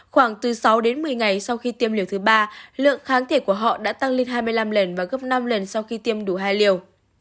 khoảng từ sáu đến một mươi ngày sau khi tiêm liều thứ ba lượng kháng thể của họ đã tăng lên hai mươi năm lần và gấp năm lần sau khi tiêm đủ hai liều